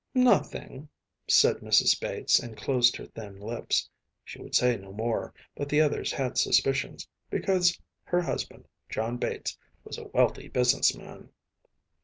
‚ÄúNothing,‚ÄĚ said Mrs. Bates, and closed her thin lips. She would say no more, but the others had suspicions, because her husband, John Bates, was a wealthy business man.